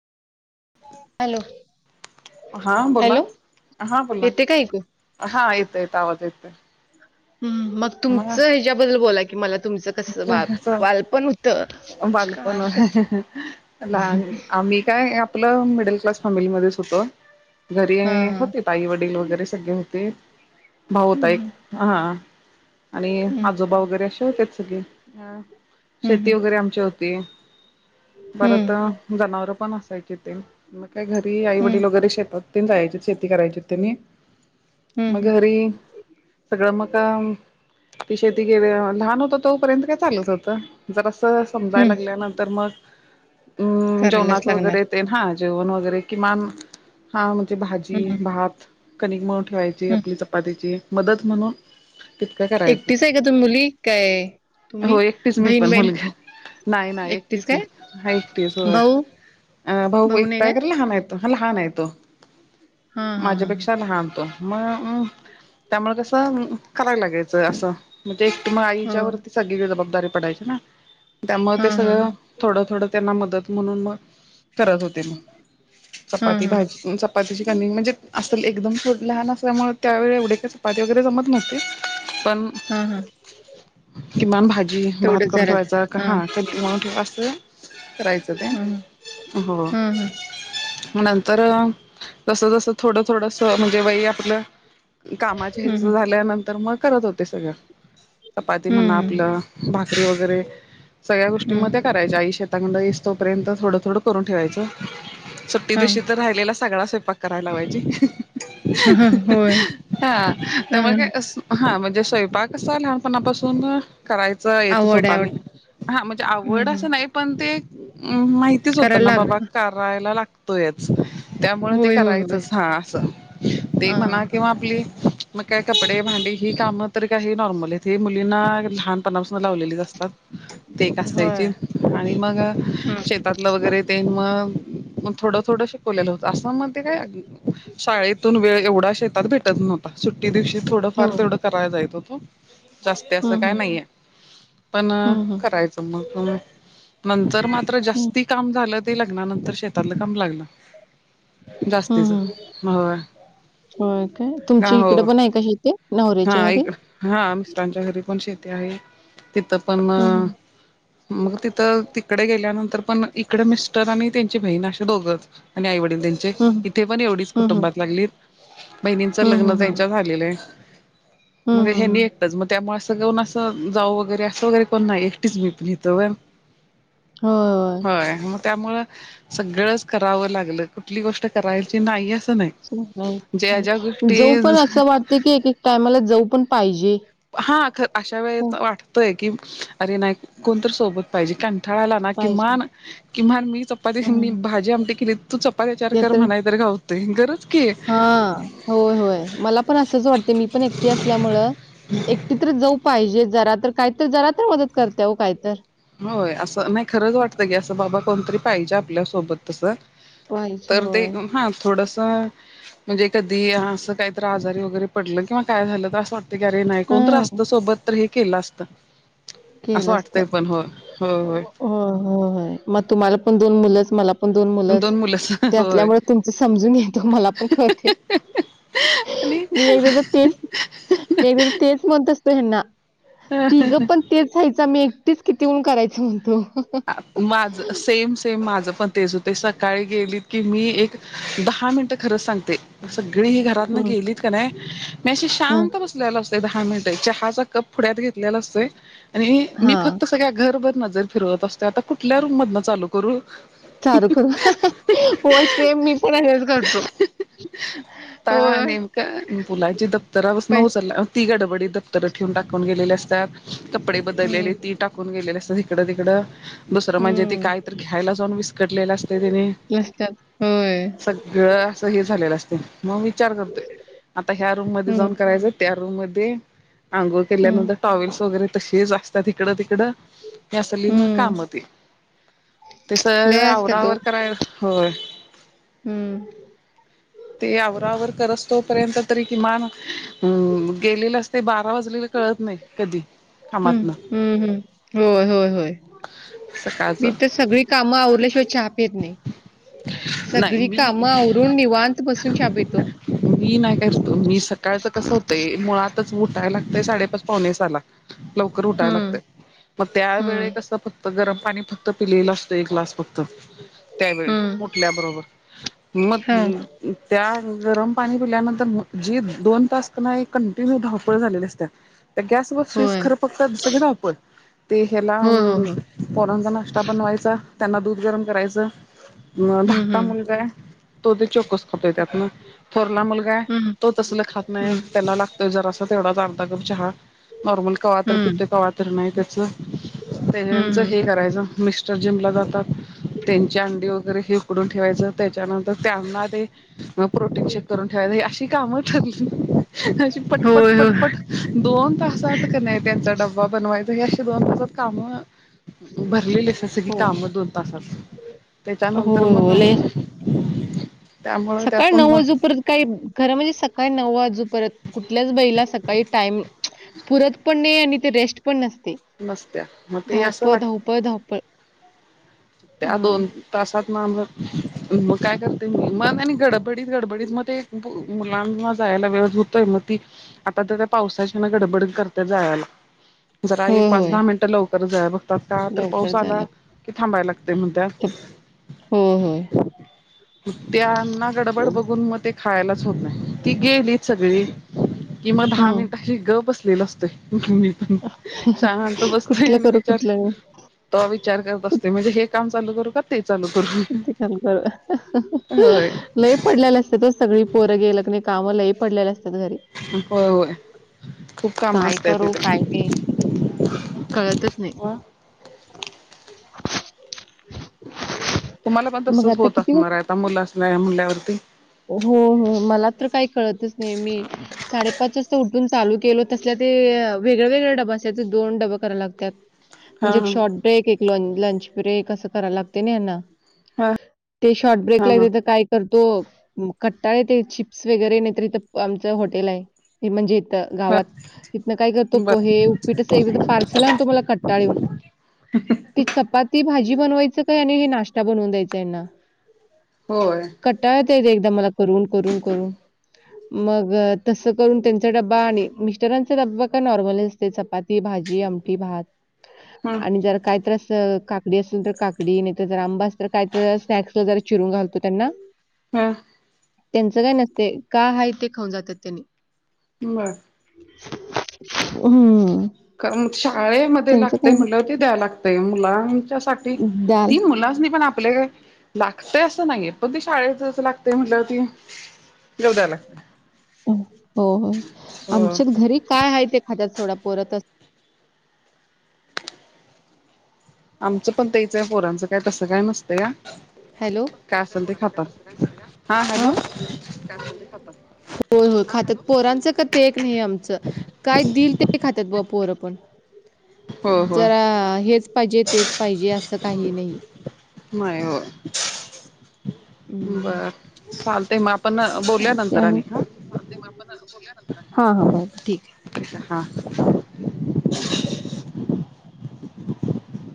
Hello हा बोला. Hello हा बोला. येते का ऐकू हा येतोय, येतो आवाज येतोय. मग तुमचं ह्याच्याबद्दल बोला की, मला तुमचं कस बाल बालपण होत बालपण काय कसं? लहान आम्ही काय आप आपलं मिडल क्लास फॅमिलीमध्येच होतो, घरी हा हा होतीत. आई वडील वगैरे सगळे होते, भाऊ होता एक हम्म हा हा आणि हम्म आजोबा वगैरे असे होतेत, सगळे आ हम्म शेती वगैरे आमची होती, परत हम्म अ जनावर पण असायची ते. मग काय? घरी आई हम्म वडील वगैरे शेतात तेन जायचे, शेती करायची त्यांनी मग हम्म घरी सगळं म काम आपली शेती घेवूया, लहान होतो. तोपर्यंत काय चालत होत, जरासं समजायला हम्म लागल्यानंतर मग अम् करायलाच जेवणाच वगैरे लागणार तेन हा, जेवण वगैरे किमान हा म्हणजे भाजी, हम्म भात, कनिक मळून ठेवायच. जी हम्म आपली चपातीची मदत, म्हणून तितकं करायचं ह्या तुम्ही मुली काय? तुम्ही हो एकटीच मी बहीण पण बहीण मुलगी, नाही नाही एकटीच मी हा एकटीच होय. भाऊ अ भाऊ नाही एकटा काय आहे, खर लहान आहे तो, लहान आहे तो हा हा हा माझ्यापेक्षा लहान तो. म मग त्यामुळे कसं करायला लागायचं? असं एकट मग हा आईच्या वर ती सगळी जबाबदारी पडायची ना, त्यामुळे हा ते हा सगळं. थोडं थोडं, त्यांना मदत म्हणून मग करत होते मी हा चपाती, हा भाजी, चपातीची कणीक म्हणजे असल एकदम लहान असल्यामुळे, त्यावेळी एवढे काय चपाती वगैरे जमत नव्हती पण हा हा. किमान भाजी, भात तेवढंच करून जरा ठेवायचा का हा कणीक मळून ठेवा आसं. करायचं ते हा हा हो. हा हा नंतर जस जस थोडं थोडस म्हणजे वय आपलं. कामाच्या हच हम्म झाल्यानंतर मग करत होते सगळं. चपाती म्हणा हम्म आपलं भाकरी वगैरे सगळ्या गोष्टी म हम्म करायच आई शेतकडडेई तोर्य थोडं थोडं करून ठेवायचं. सुट्टी हम्म दिवशी तर राहिलेला सगळा स्वयंपाक करायला पाहिजे. हा हा, होय हा त्यामुळे हम्म काय? हा म्हणजे स्वयंपाकसा लहानपणापासून करायचं येत आवड स्वतःने आवड हा म्हणजे आवड हम्म हम्म असं नाही पण ते माहि च होत करायला ना लाग बाबा करायला लाग. त्यामुळे ते होय, होय, होय. करायचच हा असं ते हां, म्हणा हां. किंवा आपली मग काय कपडे भांडी ही कामं तर कायही नॉर्मल आहेत मुलींना लहान. पनापासून लावलेलीच असतात ते एक असायची होय. आणि मग हं. शेतात वगैरे ते मग मग थोडं थोडं. लेलं होत आसाममध्येध्ये काय शाळेतून वेळ एवढा शेतात भेटत न. सुट्टी दिवशी हो. थोडंफार तेवढं करायला जायच होतो. जास्त असं हं, काय हं. नाहीये पण हं, हं. करायचं मग नंतर म. हं, जास्ती काम झालं ते लागणार नंतर शेतातलं काम लागलं. दस्तेच हो. ओ काे तुमची इकडे पण आहे कशी ते हा नवरऱ्याच्या घरी. इकड हा मिस््रांच्या घरी पण शेती आहे तिथं पण हं, हं. मग तिथं तिकडे गेल्यानंतर पण इकडे मिस्टर आणि त्यांची बहीण असे दोघंच. आणि आई वडील दि हं, हं. इथे पण एवढीच हं, हं. कुटुंबात लागली महिनींच हं, लग्न हं, हं. त्यांच्या झालेलं आहे. हं, मग हे हं, हं. एकटंच मग त्यामुळे असं घेऊन असं जाऊ वगैरे असं वगैरे कोण नाही एकटीच मी पण हेतो. होय मग त्यामुळ सगळंच करावं लागलं कुठली गोष्ट करायची नाही असं नाही. ज्या ज्या जाऊ पण गोष्टी असं वाटते की एक एक टायमाला जाऊ पण पाहिजे. हा अशा वेळ हो, वाटतय की अरे नाई कोणत सोबत पाहिजे काण ठरायला ना पाहिजे. किमान कि म्हण मी चपाती मी हं. भाजी आमटी केली तू चपाती चार कर म्हणाय तर गात. गरच की हा होय होय मला पण असंच वाटते मी पण एकटीव असल्यामुळ एकटीत्र जाऊ पाहिजे जरा तर काहीत जरा तर मदत करतेव काहीत. होय असं नाही खरंच वाटतं की असं बाबा कोणतरी पाहिजे आपल्यासोबत तसं. पाहिजे तर ते होय हा थोडसं म्हणजे कधी असं काहीत आजारी वगैरे पडलं किंवा काय झालं तर असं वाटत. तेरे नाही हा कोणत असत सोबत तर हे केलं असतं. असं केलंसत वाटतंय पण हो हो होय. हो हो मग तुम्हाला पण दोन मुलंच मला प दोन मुलं मुलंच ते होय असल्यामुळे तुमच समजून येतो मला पण खते. आणि मी एकदा तर तीस मे तेच म्हणत असतो हना तिघं पण तेच हयचं मी एकटीच किती होन करायच म्हणतो. माझ सेम सेम माझ पण तेच होते सकाळी गेलीत की मी एक दहा मिनटं खरंच सांगते सगळी ही घरात न हम्म गेलीत का नाही मी अशी शांत बसते. द मि चहा क घेतलेला असत आणि हा मी फक्त सगळ्या घर नजरिरवततेता कुठल्या रूमध चालू. कररू चारू कर हो सेम मी पण हच करतो. त होय नेमका मुलाची दफ्तरा पासून पै उचला. ती गडबडी दफ्तर ठेवून टाकून गेलेली असतात. कपडे हम्म बदललेले ती टाकून गेलेले असतात हिकडं तिकडं दुसरं म्हणजे ती काय हम्म तर घ्यायला जाऊन विस्कटलेलं असतय त्यांनी. असतात होय सगळं अस हे झालेलं असतय मग विचार करतोय. आता ह्या रूम मध्ये हम्म जाऊन करायचं. त्या रूम मध्ये आंघोळ हम्म केल्यानंतर टॉवेल्स वगैरे तशीच असतात हिकडं तिकडं. हे असली ना हम्म काम ती. ते लय सगळं असतात ओ आवरावर कराया होय. हम्म. ते आवरावर करस तोपर्यंत तरी किमान अ गेलेलं अस ते बारा वाजलेलं कळत नाही. कधी? कामातन हम्म हम्म. होय होय होय सकाळचं मी तर सगळी काम आवरल्या शिवाय चहा पीत नाही. नाही सगळी मी कामं औवरुण निवांत बसून चहा पितो. मी नाही करतो, मी सकाळचं कसं होतंय मुळातच उठायला लागतंय साडेपाच, पावणे सहाला लवकर उठायला हं, लागतय मग त्यावेेळे हं, कस फक् गरम पाणी फक्त पिलेलं असतं एक ग्लास फक्त. त्यावेळी हं. उठल्या बरोबर हां. मग त्या गरम पाणी पिल्यानंतर जी दोन तास क नाय कंटिन्यू धावपळ झालेली असत्या. तर गॅस व स्वीज होय. खरं फक्त सगळ धावपळ ते ह्याला हो, हो, हो. पोरांचा नाष्टा बनवायचा त्यांना दूध गरम करायचं. हं, धाट हं. मुलगा आहे तो ते चोकस खातोय त्यातन, थोरला मुलगा तो काय हं, तो तसलं खात नाही. हं, त्याला लागतय जरासा तेवढाच अर्धा कप चहा नॉर्मली कवा तर हं, पितोय, कवा तर नाही त्याच हं, त्यांच हं. हे करायचं मिस्टर जिम ला जातात. च्या अंडी वगैरे हे उकडून ठेवायचं त्याच्यानंतर त्यांना ते मग प्रोटीन शेक करून ठेवाय अशी कामं ठरली अशी पटपट होय, पटपट होय. दोन तासात क नाय त्यांचा डब्बा बनवायचा हे अशी दोन तासात काम भरलेली अस स की काम दोन तासात. हो त्याच्यानंतर हो. मग लई त्यामुळं सकाळ त्यातून नऊ मग वाजूपर्य काही खरं म्हणजे सकाळी नऊ वाजूपर्त कुठल्याच बईला सकाळी टाईम पुरत पण नाही आणि ते रेस्ट पण नसते. नसत्या. मग ते असं वाट प धावपळ. त्या हं. दोन तासात ना मग काय करते म म आणि गडबडीत गडबडीत मग ते मुलांना जायला वेळच होतोय. म ती आता तर त्या पावसाची ना गडबड करत्या जायाला. जरा होय, एक पाच, होय. दहा मिनटं लवकर जाया बघतात, का तर लवकर पाऊस आला जायला की थांबायला ते म्हणत्यात लागतं. होय, होय. त्यांना गडबड बघून मग ते खायलाच होत नाही. ती गेलीत सगळी की मग दहा हं. मिनट अशी ग बसलेल असतोय. मी पण शांत बसतोय कुठलं आणि करू विचार कुठलं नाही तवा विचार करत असते म्हणजे हे काम चालू करू ते चालू करू? किती काम खरं अहं अहं होय लई पडलेला असत्यात ओ. सगळी पोरं गेल कणी काम लई पडलेल असत्यात घरी. होय होय. खूप काम काय असतय करू तिथे काय नही कळतच नाही. [unintelligible] तुम्हाला पण मग तसच आता होत किती वाज- असणारय. आता मुलंच न्हाय म्हणल्यावरती. हो, हो. मला तर काही कळतच नाही. मी साडेपाच वाजता उठून चालू केलो. तसल्या ते वेगळ् वेगळ् डबं असत्यात. ते दोन डबं कराला लागत्यात. हा म्हणजे एक शॉर्ट ब्रेक एक ल लंच ब्रेक. असं करायला लागते ना यांना. हा ते शॉर्ट हा ब्रेकला हा तीथं काय तर तो, कट्टाळ येतय, चिप्स वगैरे. नाहीतर इथं आमचं हॉटेलाय. ते म्हणजे इथं ह गावात. तिथनं काय करतो. बर पोहे, उपीट अस एकाद पारसल आणतो. मला कट्टाळ येऊन. ती चपाती- भाजी बनवायचं काय. आणि हे नाश्ता बनवून द्यायचा यांना. होय. कटाळा येतोय एकदा मला. करून, करून, करून. मग तसं करून, त्यांचा डब्बा. आणि मिस्टरांचा डब्बा का नॉर्मल ते चपाती - भाजी, आमटी - भात. ह आणि जरा काही तर असं, काकडी असेल तर काकडी. नाही तर जर आंबा अस तर काय तर स्नॅक्स वगैरे, चिरून घालतो त्यांना. हा. त्यांचं काय नसतय. का हाय ते खाऊन जात्यात त्यांनी. बर. हम्म. कारण शाळेमध्ये त्यांचं काही लागतेय, म्हटल्याव. ते द्याय लागतय. मुलां साठी. नाही दाल ती मुलास्नी पण आपलं लागतय असं नाहीये. पण ते शाळेेत अस लागतेय, म्हटल्यावं ती. घेऊ द्याला लागतय. हो, हो. हो आमच्यात घरी काय हाय ते, खात्यात सोडा. पोरं त आमचं पण तेचंय. पोरांचं काय, तसं काय नसतंया. हॅलो काय असेल ते खातात. हा, हॅलो. काय असेल ते खातात. हो, हो खात्यात. पोरांचं का ते एक नाही आमचं. काय दिल ते, खात्यात बा पोर पण. हो हो जरा हेच पाहिजे. तेच पाहिजे. असं, काही नाही. होय, हो. हम्म. बरं, चालतय मग. आपण बोलुया नंतर आणि हा. हा, हा. बर ठीकय. [inaudible] हा.